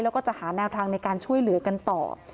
แล้วก็จะหาแนวทางในการช่วยเหลือกันต่อ